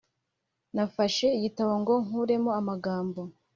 Nafashe igitabo ngo nkuremo amagambo